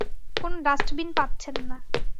কোনো ডাস্টবিন পাচ্ছেন না।